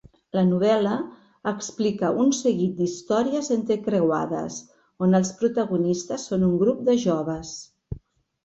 La novel·la explica un seguit d'històries entrecreuades, on els protagonistes són un grup de joves.